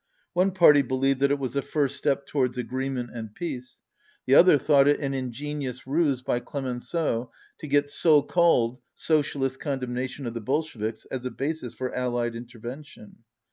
One party believed that it was a first step towards agreement and peace. The other thought it an ingenious ruse by Clemenceau to get "so called" socialist condemnation of the Bolsheviks as a basis for allied intervention.